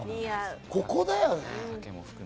そこだよね。